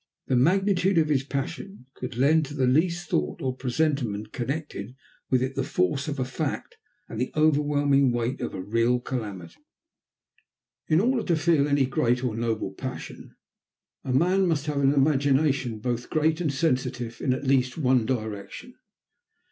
The magnitude of his passion could lend to the least thought or presentiment connected with it the force of a fact and the overwhelming weight of a real calamity. In order to feel any great or noble passion a man must have an imagination both great and sensitive in at least one direction.